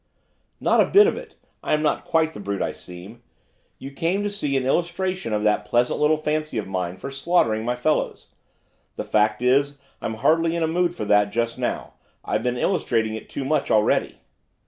'Not a bit of it, I am not quite the brute I seem. You came to see an illustration of that pleasant little fancy of mine for slaughtering my fellows. The fact is, I'm hardly in a mood for that just now, I've been illustrating it too much already.